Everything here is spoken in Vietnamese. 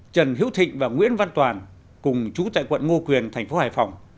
trần hiễu thịnh và nguyễn văn toàn cùng chú tại quận ngô quyền thành phố hải phòng